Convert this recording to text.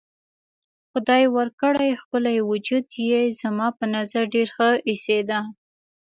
خدای ورکړی ښکلی وجود یې زما په نظر ډېر ښه ایسېده.